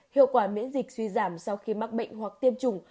hiệu quả miễn dịch suy giảm sau khi mắc bệnh hoặc tiêm chủng